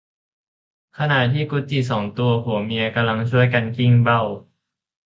ขณะที่กุดจี่สองตัวผัวเมียกำลังช่วยกันกลิ้งเบ้า